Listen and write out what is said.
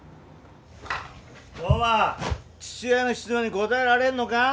父親の質問に答えられんのか？